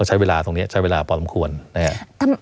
ใช้เวลาตรงนี้ใช้เวลาพอสมควรนะครับ